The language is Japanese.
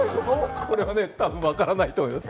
これは多分、分からないと思いますよ。